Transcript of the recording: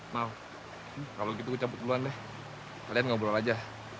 mal kalau gitu gue campur duluan deh kalian ngobrol aja